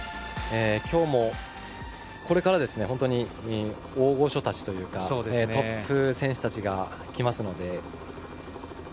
きょうもこれから本当に大御所たちというかトップ選手たちがきますので。